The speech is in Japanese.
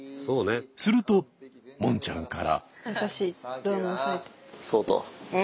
するともんちゃんから。